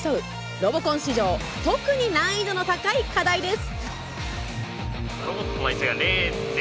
ロボコン史上特に難易度の高い課題です。